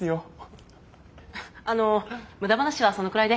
あの無駄話はそのくらいで。